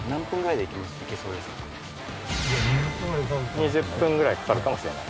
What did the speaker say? ２０分くらいかかるかもしれない。